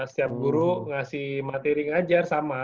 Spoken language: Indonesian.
setiap guru ngasih materi ngajar sama